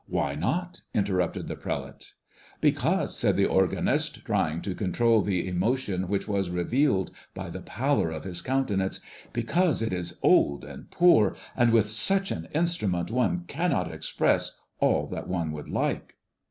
"Why not?" interrupted the prelate. "Because," said the organist, trying to control the emotion which was revealed by the pallor of his countenance, "because it is old and poor, and with such an instrument one cannot express all that one would like."